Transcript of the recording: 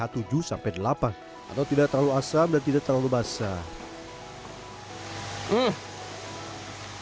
atau tidak terlalu asam dan tidak terlalu basah